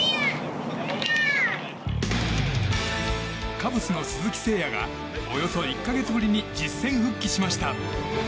カブスの鈴木誠也がおよそ１か月ぶりに実戦復帰しました。